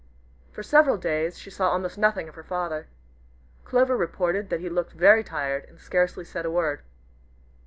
For several days she saw almost nothing of her father. Clover reported that he looked very tired and scarcely said a word.